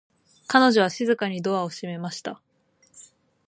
彼女は静かにドアを閉めました。